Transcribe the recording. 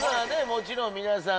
もちろん皆さん